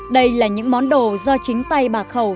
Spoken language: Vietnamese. đây là những món đồ do chính tay bà khẩu